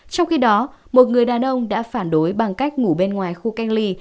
trong khi đó một người đàn ông đã phản đối bằng cách ngủ bên ngoài khu cách ly